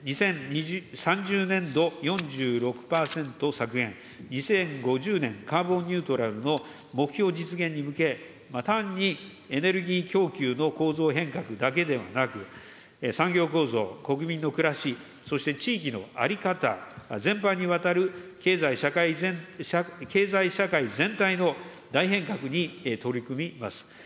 ２０３０年度４６％削減、２０５０年カーボンニュートラルの目標実現に向け、単にエネルギー供給の構造変革だけではなく、産業構造、国民の暮らし、そして地域の在り方全般にわたる経済社会全体の大変革に取り組みます。